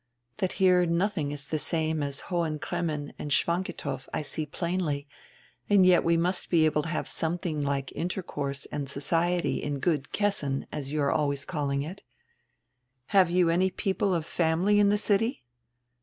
That here nothing is the same as in Hohen Cremmen and Schwantikow, I see plainly, and yet we must be able to have something like intercourse and society in 'good Kessin,' as you are always calling it. Have you any people of family in the city?"